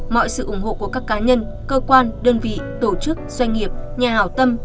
mọi sự ủng hộ của các cá nhân cơ quan đơn vị tổ chức doanh nghiệp nhà hảo tâm